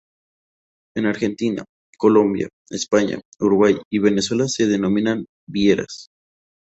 En Argentina, Colombia, España, Uruguay y Venezuela se denominan vieiras.